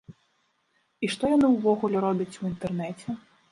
І што яны ўвогуле робяць у інтэрнэце?